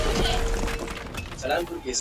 د توپان ننګ دی